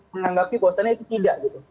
menganggapi bahwasanya itu tidak gitu